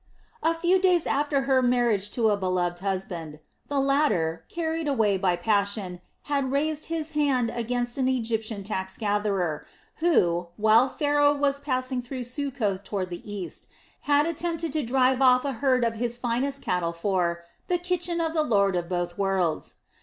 A few days after her marriage to a beloved husband the latter, carried away by passion, had raised his hand against an Egyptian tax gatherer, who, while Pharaoh was passing through Succoth toward the east, had attempted to drive off a herd of his finest cattle for "the kitchen of the lord of both worlds."